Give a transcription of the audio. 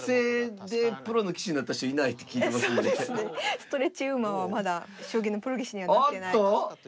ストレッチウーマンはまだ将棋のプロ棋士にはなってない。